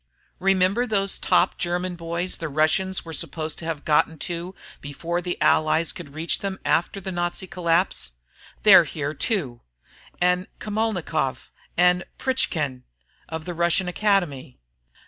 Remember those top German boys the Russians were supposed to have gotten to before the Allies could reach them after the Nazi collapse? They're here too! And Kamalnikov, and Pretchkin of the Russian Academy.